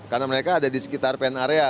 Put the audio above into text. karena mereka ada di sekitar pen area